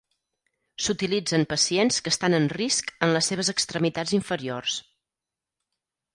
S'utilitza en pacients que estan en risc en les seves extremitats inferiors.